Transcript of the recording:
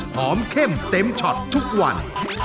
เข้มเต็มช็อตทุกวัน